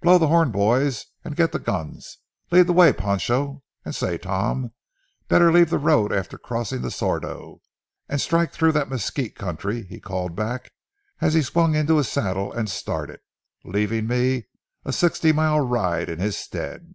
Blow the horn, boys, and get the guns. Lead the way, Pancho. And say, Tom, better leave the road after crossing the Sordo, and strike through that mesquite country," he called back as he swung into the saddle and started, leaving me a sixty mile ride in his stead.